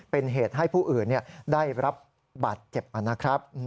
เป็นเหตุให้ผู้อื่นได้รับบาดเจ็บนะครับ